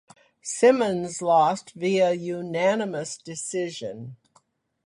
Simmons lost via unanimous decision.